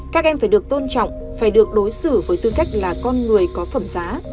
các em phải được tôn trọng phải được đối xử với tư cách là con người có phẩm giá